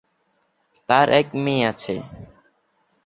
তার এক মেয়ে আছে।